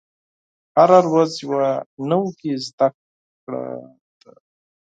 هره ورځ یوه نوې زده کړه ده.